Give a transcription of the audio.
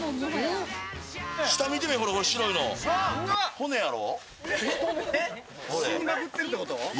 骨やろ？